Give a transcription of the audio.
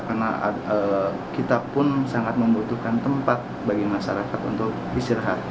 karena kita pun sangat membutuhkan tempat bagi masyarakat untuk istirahat